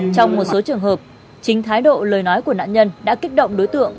trong một số trường hợp chính thái độ lời nói của nạn nhân đã kích động đối tượng